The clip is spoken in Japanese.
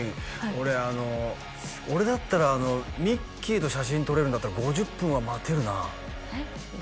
俺あの俺だったらミッキーと写真撮れるんだったら５０分は待てるなえっ？